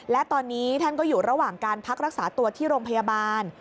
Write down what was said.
และตอนนี้ท่านก็อยู่ระหว่างการพักรักษาตัวที่โรงพยาบาล